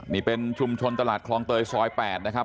นี่เป็นชุมชนตลาดคลองเตยซอย๘นะครับ